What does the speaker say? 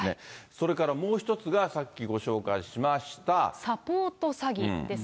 それからもう１つが、さっきご紹サポート詐欺です。